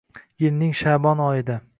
Yilning sha’bon oyida